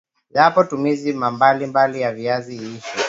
yapo ma tumizi mbalimbali ya viazi lishe